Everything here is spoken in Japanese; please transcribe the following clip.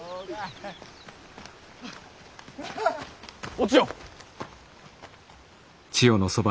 お千代。